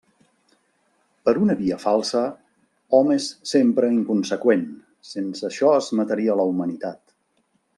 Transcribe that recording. Per una via falsa, hom és sempre inconseqüent, sense això es mataria la humanitat.